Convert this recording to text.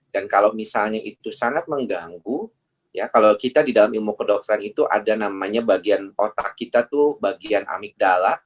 dan kalau misalnya itu sangat mengganggu kalau kita di dalam ilmu kedokteran itu ada namanya bagian otak kita tuh bagian amigdala